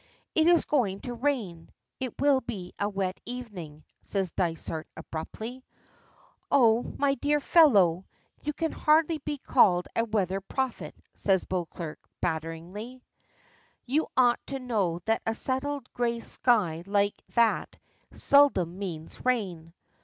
"It is going to rain. It will be a wet evening," says Dysart abruptly. "Oh, my dear fellow! You can hardly be called a weather prophet," says Beauclerk banteringly. "You ought to know that a settled gray sky like that seldom means rain."